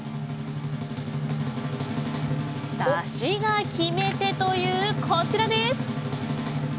ダシが決め手というこちらです！